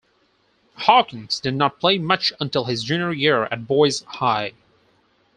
Hawkins did not play much until his junior year at Boys High.